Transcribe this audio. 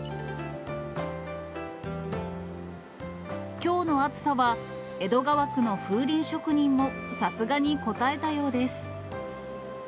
きょうの暑さは、江戸川区の風鈴職人も、さすがにこたえたようです。